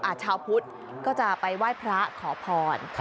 ชาวพุทธก็จะไปไหว้พระขอพร